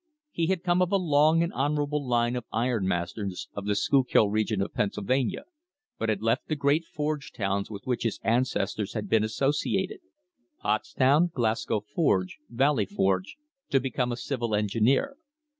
He had come of a long and honourable line of iron masters of the Schuylkill region of Pennsylvania, but had left the great forge towns with which his ancestors had been associated — Pottstown, Glasgow Forge, Valley Forge — to become a civil engineer.